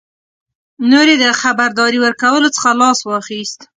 نور یې د خبرداري ورکولو څخه لاس واخیست.